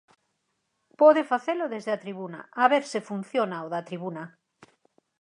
Pode facelo desde a tribuna, a ver se funciona o da tribuna.